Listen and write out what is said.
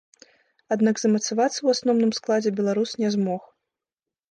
Аднак замацавацца ў асноўным складзе беларус не змог.